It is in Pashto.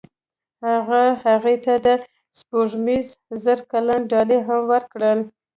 هغه هغې ته د سپوږمیز زړه ګلان ډالۍ هم کړل.